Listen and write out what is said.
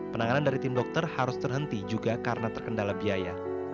penanganan dari tim dokter harus terhenti juga karena terkendala biaya